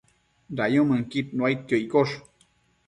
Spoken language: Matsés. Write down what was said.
Dayumënquid nuaidquio iccosh